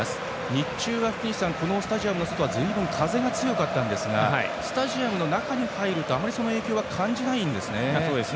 日中は、このスタジアムの外はずいぶん風が強かったですがスタジアムの中に入るとあまりその影響は感じないんですね。